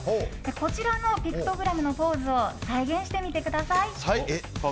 こちらのピクトグラムのポーズを再現してみてください。